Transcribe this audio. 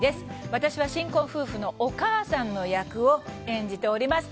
私は新婚夫婦のお母さんの役を演じております。